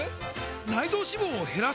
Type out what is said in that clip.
内臓脂肪を減らす！？